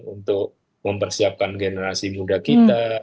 untuk mempersiapkan generasi muda kita